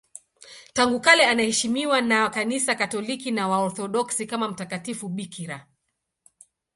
Tangu kale anaheshimiwa na Kanisa Katoliki na Waorthodoksi kama mtakatifu bikira.